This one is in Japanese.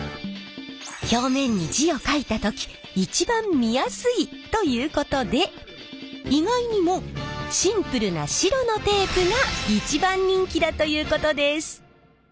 表面に字を書いた時一番見やすいということで意外にもシンプルな白のテープが一番人気だということです！